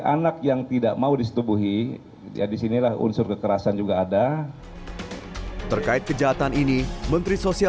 anak yang tidak mau disetubuhi jadi sinilah unsur kekerasan juga ada terkait kejahatan ini menteri sosial